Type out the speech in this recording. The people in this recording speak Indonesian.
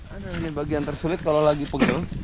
ada bagian tersulit kalau lagi pegel